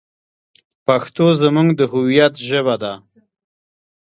پښتو زموږ د هویت ژبه ده.